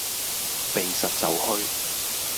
避實就虛